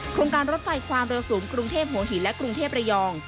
โครงการรถไฟความเร็วสูงกรุงเทพหัวหินและกรุงเทพระยอง